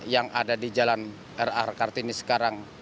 yang ada di jalan r a kartini sekarang